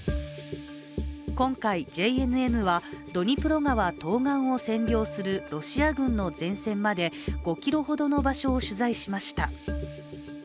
今回、ＪＮＮはドニプロ川東岸を占領するロシア軍の前線まで５ｋｍほどの場所を取材しました。